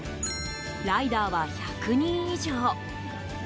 ライダーは１００人以上。